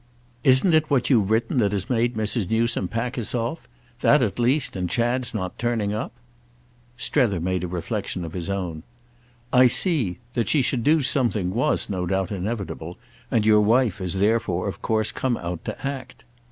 "Isn't it what you've written that has made Mrs. Newsome pack us off? That at least and Chad's not turning up?" Strether made a reflexion of his own. "I see. That she should do something was, no doubt, inevitable, and your wife has therefore of course come out to act."